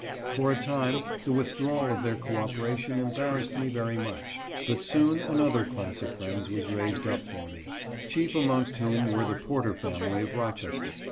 For a time the withdrawal of their cooperation embarrassed me very much, but soon another class of friends was raised up for me, chief amongst whom were the Porter family of Rochester.